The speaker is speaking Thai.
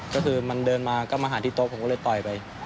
ก็คือมันเดินมาก็มาหาที่โต๊ะผมก็เลยต่อยไป